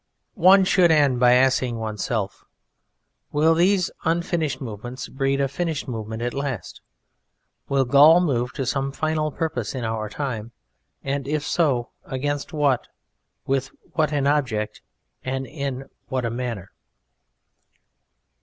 One should end by asking one's self, "Will these unfinished movements breed a finished movement at last? Will Gaul move to some final purpose in our time, and if so, against what, with what an object and in what a manner?"